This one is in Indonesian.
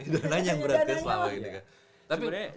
dananya yang berarti selama ini